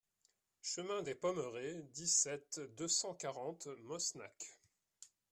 Chemin des Pommerais, dix-sept, deux cent quarante Mosnac